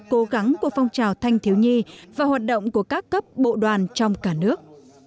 cố gắng của phong trào thanh thiếu nhi và hoạt động của các cấp bộ đoàn trong cả nước